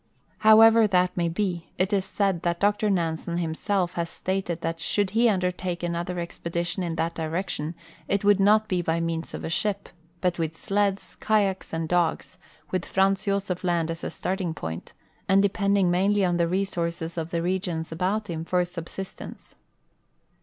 However that may be, it is said that Dr Nansen himself has stated that should he undertake another expedition in that direction it would not be by means of a ship, but with sleds, kayaks, and dogs, with Franz Josef land as a starting point, and depending mainl}^ on the re sources of the regions about him for subsistence.